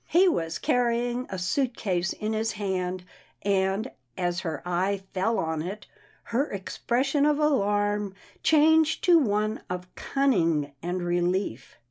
He was carrying a suit case in his hand, and, as her eye fell on it, her expression of alarm changed to one of cunning and relief.